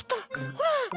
ほら！